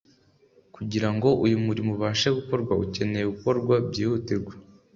Kugira ngo uyu murimo ubashe gukorwa ukeneye gukorwa byihutirwa